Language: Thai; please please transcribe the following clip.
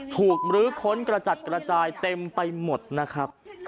มรื้อค้นกระจัดกระจายเต็มไปหมดนะครับ